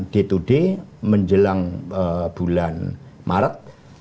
d dua d menjelang bulan maret